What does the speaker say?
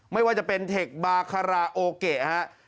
ไม่ว่าจะเป็นเทคบาคาราโอเกะฮะ